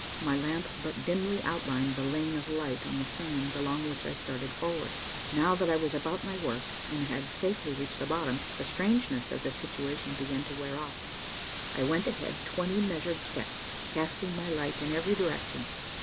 My lamp but dimly outlined the lane of light on the sand along which I started forward. Now that I was about my work, and had safely reached the bottom, the strangeness of the situation began to wear off. I went ahead twenty measured steps, casting my light in every direction.